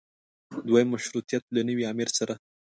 دویم مشروطیت له نوي امیر سره.